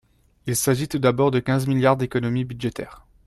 Il s’agit tout d’abord de quinze milliards d’économies budgétaires.